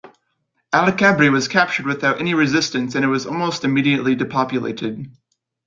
Al-Kabri was captured without any resistance and it was almost immediately depopulated.